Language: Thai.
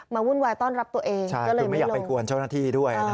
วุ่นวายต้อนรับตัวเองใช่คือไม่อยากไปกวนเจ้าหน้าที่ด้วย